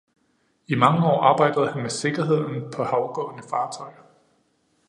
I mange år arbejdede han med sikkerheden på havgående fartøjer.